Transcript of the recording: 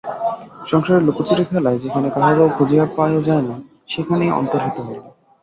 সংসারের লুকোচুরি খেলায় যেখানে কাহাকেও খুঁজিয়া পাওয়া যায় না সেইখানে অন্তর্হিত হইল।